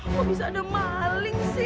kok bisa ada maling sih